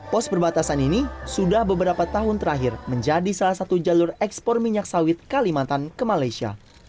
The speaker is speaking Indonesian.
pos perbatasan ini sudah beberapa tahun terakhir menjadi salah satu jalur ekspor minyak sawit kalimantan ke malaysia